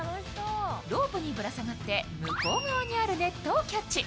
ロープにぶら下がって向こう側にあるネットをキャッチ。